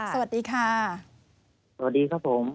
สวัสดีครับผม